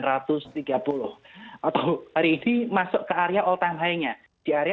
atau hari ini masuk ke area all time high nya di area enam ribu sembilan ratus delapan puluh enam satu ratus empat puluh